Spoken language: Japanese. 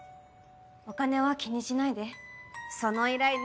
お金は気にしないでその依頼ネメシスが。